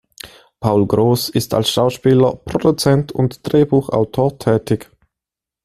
Paul Gross ist als Schauspieler, Produzent und Drehbuchautor tätig.